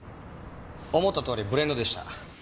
思ったとおりブレンドでした。